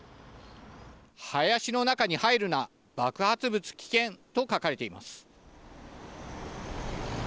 林の中に入るな爆発物、危険と書かれています。